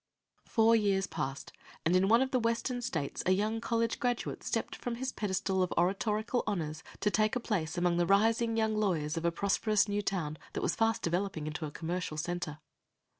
Four years passed, and in one of the Western States a young college graduate stepped from his pedestal of oratorical honors to take a place among the rising young lawyers of a prosperous new town that was fast developing into a commercial center.